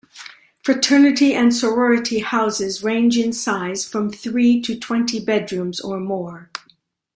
Fraternity and sorority houses range in size from three to twenty bedrooms or more.